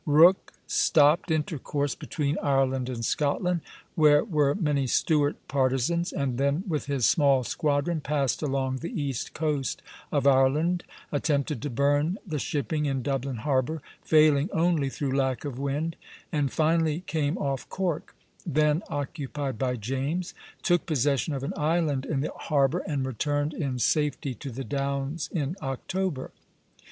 Rooke stopped intercourse between Ireland and Scotland, where were many Stuart partisans, and then with his small squadron passed along the east coast of Ireland, attempted to burn the shipping in Dublin harbor, failing only through lack of wind, and finally came off Cork, then occupied by James, took possession of an island in the harbor, and returned in safety to the Downs in October.